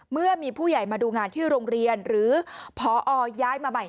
เมื่อมีผู้ใหญ่มาดูงานที่โรงเรียนหรือพอย้ายมาใหม่